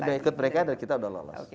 sudah ikut mereka dan kita sudah lolos